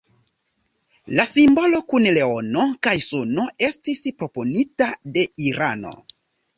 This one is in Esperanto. La simbolo kun leono kaj suno estis proponita de Irano.